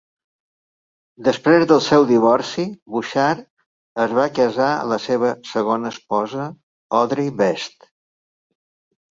Després del seu divorci, Bouchard es va casar amb la seva segona esposa, Audrey Best.